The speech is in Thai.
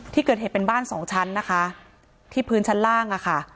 ที่เกิดเหตุเป็นบ้านสองชั้นนะคะที่พื้นชั้นล่างอะค่ะ